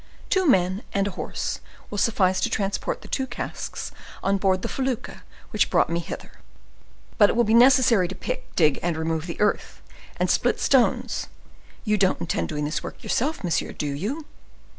Two men and a horse will suffice to transport the two casks on board the felucca which brought me hither." "But it will be necessary to pick, dig, and remove the earth, and split stones; you don't intend doing this work yourself, monsieur, do you?"